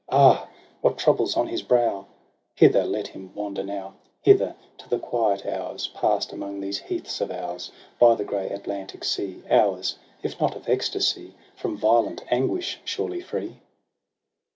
— Ah! what trouble's on his brow f* Hither let him wander now; TRISTRAM AND ISEULT. 201 Hither, to the quiet hours Pass'd among these heaths of ours By the grey Atlantic sea; Hours, if not of ecstasy, From violent anguish surely free